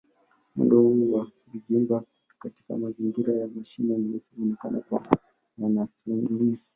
Mwendo huu wa magimba katika mazingira ya mashimo meusi unaonekana kwa wanaastronomia.